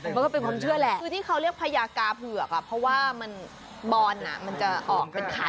มันก็เป็นความเชื่อแหละคือที่เขาเรียกพญากาเผือกอ่ะเพราะว่ามันบอนมันจะออกเป็นขา